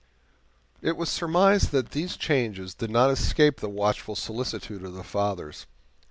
It may be surmised that these changes did not escape the watchful solicitude of the Fathers.